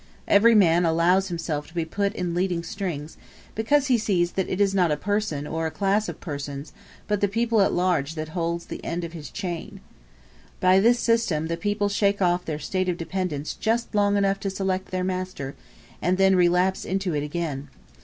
Every man allows himself to be put in leading strings, because he sees that it is not a person or a class of persons, but the people at large that holds the end of his chain. By this system the people shake off their state of dependence just long enough to select their master, and then relapse into it again.